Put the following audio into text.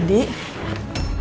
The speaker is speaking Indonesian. tidak ada apa apa